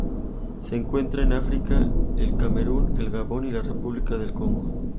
Se encuentran en África: el Camerún, el Gabón y la República del Congo.